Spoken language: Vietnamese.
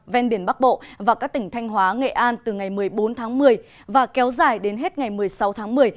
ven biển bắc bộ và các tỉnh thanh hóa nghệ an từ ngày một mươi bốn tháng một mươi và kéo dài đến hết ngày một mươi sáu tháng một mươi